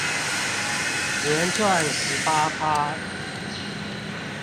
年賺十八趴